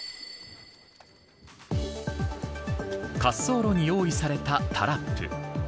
滑走路に用意されたタラップ。